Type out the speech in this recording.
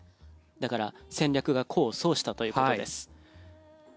だから戦略が功を奏したということです。